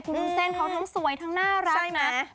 คุณวุ้นเช่นเขาทั้งสวยทั้งน่ารักนะใช่ไหม